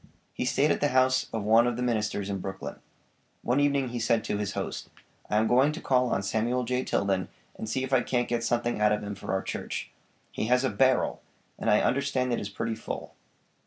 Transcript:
He stayed at the house of one of the ministers in Brooklyn. One evening he said to his host: "I am going to call on Samuel J. Tilden and see if I can't get something out of him for our church. He has a 'barrel,' and I understand it is pretty full."